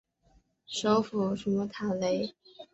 首府穆塔雷。